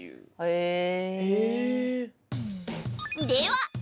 へえ！